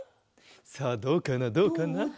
さあどうかなどうかな？